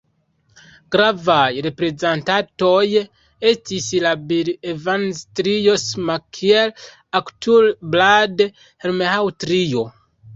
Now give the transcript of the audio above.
Gravaj reprezentantoj estis la Bill-Evans-Trio samkiel aktuale Brad-Mehldau-Trio.